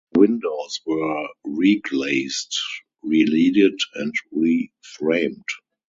The windows were reglazed, releaded and reframed.